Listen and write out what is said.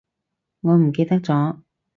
我唔記得咗